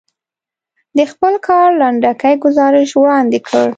د خپل کار لنډکی ګزارش وړاندې کړ.